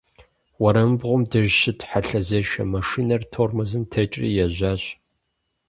Уэрамыбгъум деж щыт хьэлъэзешэ машинэр тормозым текӀри ежьащ.